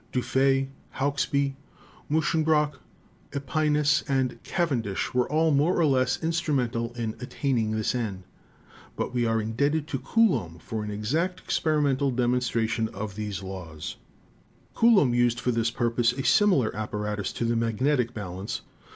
Dufay, Hauksbee, Muschenbroek, /Epinus, and Cavendish were all more or less instrumental in attaining this end; but we are in debted to Coulomb for an exact experimental demonstra tion of these laws. Coulomb used for this purpose a simi lar apparatus to the magnetic balance.